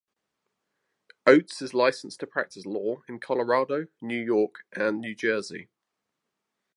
Oates is licensed to practice law in Colorado, New York, and New Jersey.